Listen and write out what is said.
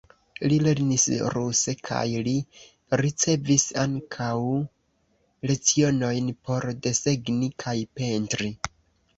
Li lernis ruse kaj li ricevis ankaŭ lecionojn por desegni kaj pentri.